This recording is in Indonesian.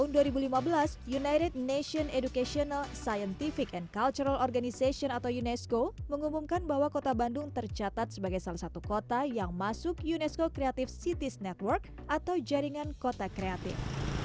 united nations educational scientific and cultural organization atau unesco mengumumkan bahwa kota bandung tercatat sebagai salah satu kota yang masuk unesco creative cities network atau jaringan kota kreatif